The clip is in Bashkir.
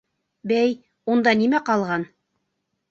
— Бәй, унда нимә ҡалған?